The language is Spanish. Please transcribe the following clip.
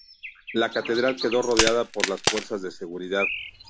La Catedral quedó rodeada por las fuerzas de seguridad.